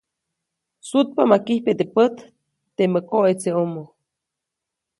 Sutpa ma kijpya teʼ pät temä koʼetseʼomo.